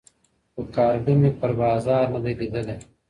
خو کارګه مي پر بازار نه دی لیدلی .